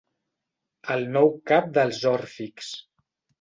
El nou cap dels òrfics.